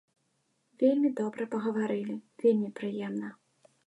Вельмі добра пагаварылі, вельмі прыемна.